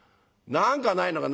何かないのか」。